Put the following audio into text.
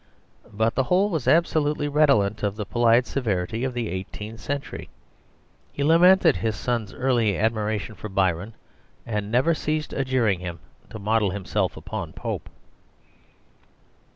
But the whole was absolutely redolent of the polite severity of the eighteenth century. He lamented his son's early admiration for Byron, and never ceased adjuring him to model himself upon Pope.